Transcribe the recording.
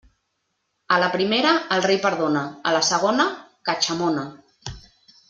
A la primera, el rei perdona; a la segona, catxamona.